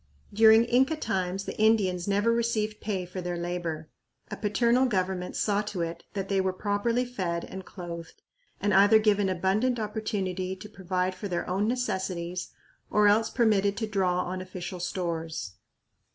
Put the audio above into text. During Inca times the Indians never received pay for their labor. A paternal government saw to it that they were properly fed and clothed and either given abundant opportunity to provide for their own necessities or else permitted to draw on official stores.